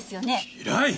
平井！